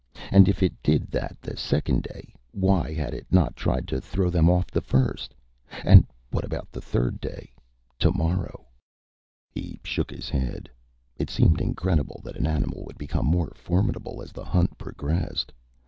And if it did that the second day, why had it not tried to throw them off the first? And what about the third day tomorrow? He shook his head. It seemed incredible that an animal would become more formidable as the hunt progressed.